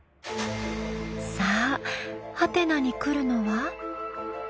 さあハテナに来るのは？